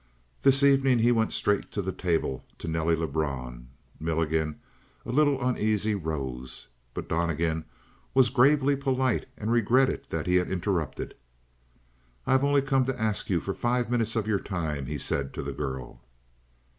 This evening he went straight to the table to Nelly Lebrun. Milligan, a little uneasy, rose. But Donnegan was gravely polite and regretted that he had interrupted. "I have only come to ask you for five minutes of your time," he said to the girl.